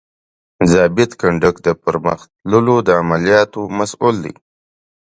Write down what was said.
ضابط کنډک د پرمخ تللو د عملیاتو مسؤول دی.